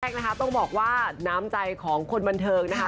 นะคะต้องบอกว่าน้ำใจของคนบันเทิงนะคะ